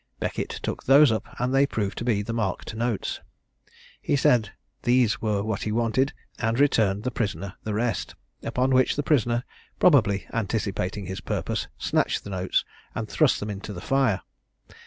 Beckett took those up, and they proved to be the marked notes. He said these were what he wanted, and returned the prisoner the rest; upon which the prisoner, probably anticipating his purpose, snatched the notes, and thrust them into the fire.